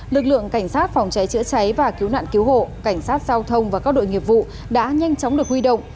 lực lượng cảnh sát phòng cháy chữa cháy và cứu nạn cứu hộ cảnh sát giao thông và các đội nghiệp vụ đã nhanh chóng được huy động